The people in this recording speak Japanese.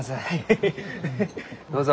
どうぞ。